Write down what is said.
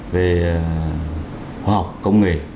về khoa học công nghệ